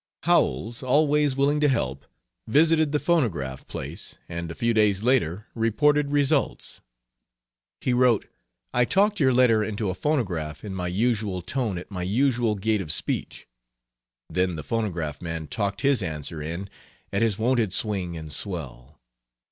Howells, always willing to help, visited the phonograph place, and a few days later reported results. He wrote: "I talked your letter into a fonograf in my usual tone at my usual gait of speech. Then the fonograf man talked his answer in at his wonted swing and swell.